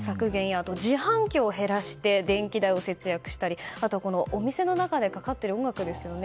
あと自販機を減らして電気代を節約したりあとはお店の中でかかっている音楽ですよね。